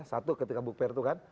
satu ketika book fair itu kan